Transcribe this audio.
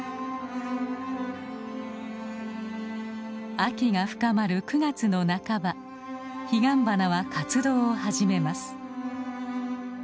秋が深まる９月の半ばヒガンバナは活動を始めます。